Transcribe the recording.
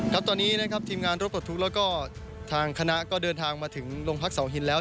ครับตอนนี้นะครับทีมงานรถปลดทุกข์แล้วก็ทางคณะก็เดินทางมาถึงโรงพักเสาหินแล้ว